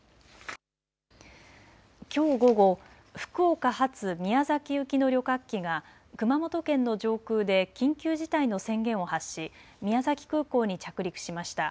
きょう午後、福岡発宮崎行きの旅客機が熊本県の上空で緊急事態の宣言を発し宮崎空港に着陸しました。